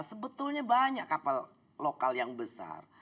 sebetulnya banyak kapal lokal yang besar